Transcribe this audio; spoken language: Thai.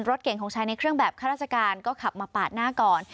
รถเก่งของชายในเครื่องแบบข้าราชการก็ขับมาปาดหน้าก่อน